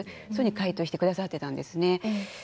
そういうふうに回答してくださってたんですね。